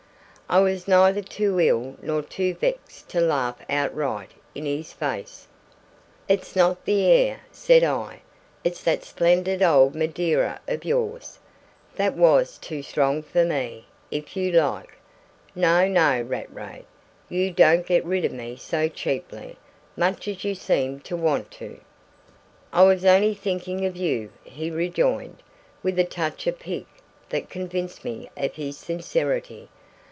I was neither too ill nor too vexed to laugh outright in his face. "It's not the air," said I; "it's that splendid old Madeira of yours, that was too strong for me, if you like! No, no, Rattray, you don't get rid of me so cheaply much as you seem to want to!" "I was only thinking of you," he rejoined, with a touch of pique that convinced me of his sincerity.